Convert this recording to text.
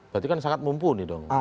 berarti kan sangat mumpuni dong